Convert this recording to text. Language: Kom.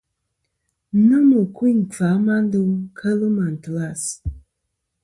Nomɨ ɨkuyn ;kfà a ma ndo kel màtlas.